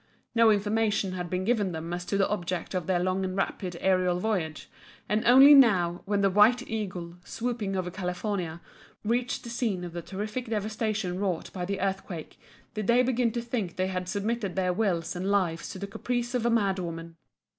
No information had been given them as to the object of their long and rapid aerial voyage, and only now when the "White Eagle," swooping over California, reached the scene of the terrific devastation wrought by the earthquake did they begin to think they had submitted their wills and lives to the caprice of a madwoman.